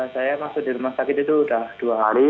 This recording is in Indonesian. saya masuk di rumah sakit itu sudah dua hari